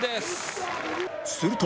すると